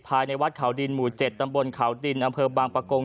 ภายในวัดเขาดินหมู่๗ตำบลเขาดินอำเภอบางประกง